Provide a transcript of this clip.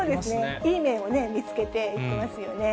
いい面を見つけていってますよね。